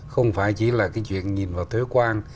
không phải chỉ là cái chuyện nhìn vào thế quan